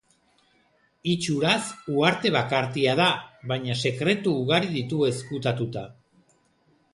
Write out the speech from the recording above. Itxuraz, uharte bakartia da, baina sekretu ugari ditu ezkutatuta.